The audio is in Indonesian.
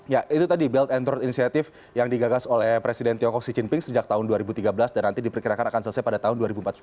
ya itu tadi belt and road initiative yang digagas oleh presiden tiongkok xi jinping sejak tahun dua ribu tiga belas dan nanti diperkirakan akan selesai pada tahun dua ribu empat belas